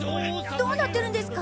どうなってるんですか？